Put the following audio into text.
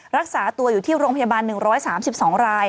รักษาตัวอยู่ที่โรงพยาบาล๑๓๒ราย